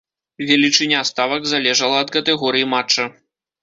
Велічыня ставак залежала ад катэгорыі матча.